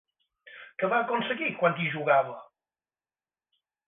Què va aconseguir quan hi jugava?